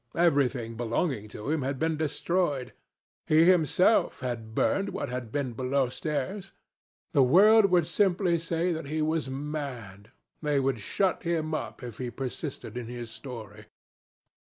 Everything belonging to him had been destroyed. He himself had burned what had been below stairs. The world would simply say that he was mad. They would shut him up if he persisted in his story....